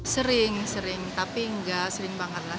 sering sering tapi enggak sering banget lah